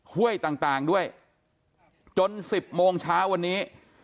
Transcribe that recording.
ห้วยต่างด้วยจน๑๐โมงเช้าวันนี้